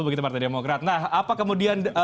begitu partai demokrat nah apa kemudian